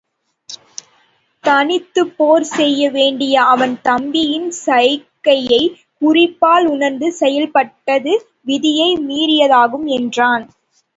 தனித்துப்போர் செய்ய வேண்டிய அவன் தம்பியின் சைகையைக் குறிப்பால் உணர்ந்து செயல்பட்டது விதியை மீறியதாகும் என்றான்.